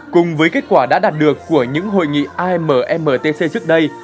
cùng với kết quả đã đạt được của những hội nghị ammtc trước đây